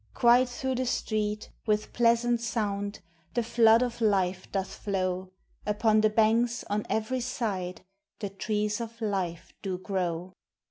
Quite through the streets, with pleasant sound, The flood of life doth flow; Upon the banks, on every side, The trees of life do grow.